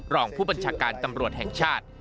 รองผู้บัญชาการตำรวจแห่งชาติ